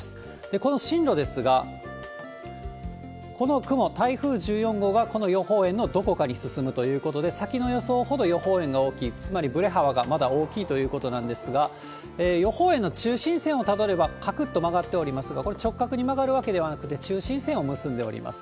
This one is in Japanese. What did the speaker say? この進路ですが、この雲、台風１４号がこの予報円のどこかに進むということで、先の予想ほど予報円が大きい、つまりぶれ幅がまだ大きいということなんですが、予報円の中心線をたどれば、かくっと曲がっておりますが、これ、直角に曲がるわけではなくて、中心線を結んでおります。